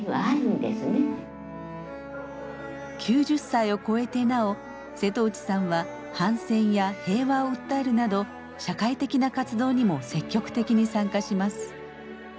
９０歳を超えてなお瀬戸内さんは反戦や平和を訴えるなど社会的な活動にも積極的に参加します。